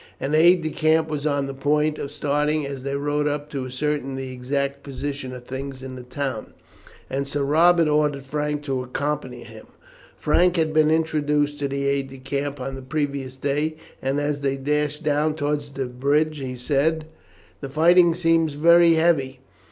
An aide de camp was on the point of starting as they rode up to ascertain the exact position of things in the town, and Sir Robert ordered Frank to accompany him. Frank had been introduced to the aide de camp on the previous day, and as they dashed down towards the bridge, he said: "The fighting seems very heavy."